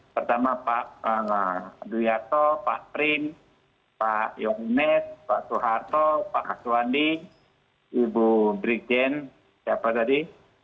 pertama pak duyarto pak prim pak yongnes pak suharto pak aswandi ibu brigjen siapa tadi